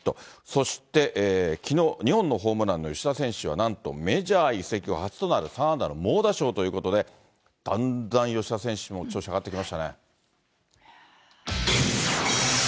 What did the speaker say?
そしてきのう２本のホームランの吉田選手はなんと、メジャー移籍後初となる３安打の猛打賞ということで、だんだん吉田選手も調子上がってきましたね。